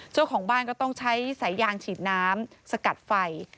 เจ้าของบ้านก็ต้องใช้สายยางฉีดน้ำสกัดไฟ